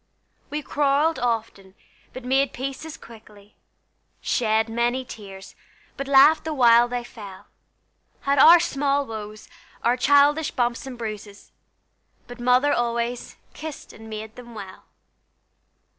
We quarrelled often, but made peace as quickly, Shed many tears, but laughed the while they fell, Had our small woes, our childish bumps and bruises, But Mother always "kissed and made them well."